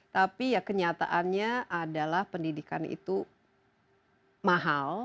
tapi ya kenyataannya adalah pendidikan itu mahal